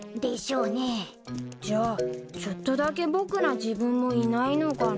じゃあちょっとだけ僕な自分もいないのかな？